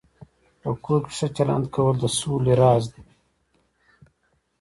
په کور کې ښه چلند کول د سولې راز دی.